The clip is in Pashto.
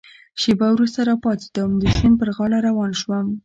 شېبه وروسته را پاڅېدم، د سیند پر غاړه روان شوم.